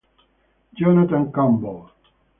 Jonathan Campbell